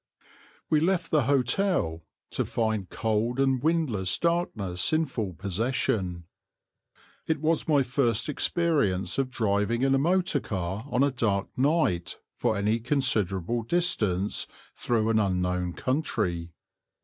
We left the hotel, to find cold and windless darkness in full possession. It was my first experience of driving in a motor car on a dark night for any considerable distance through an unknown country.